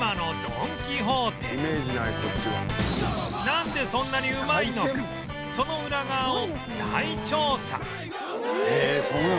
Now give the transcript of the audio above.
なんでそんなにうまいのかそのへえそんな。